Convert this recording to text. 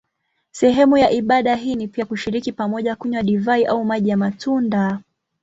Sehemu ya ibada hii ni pia kushiriki pamoja kunywa divai au maji ya matunda.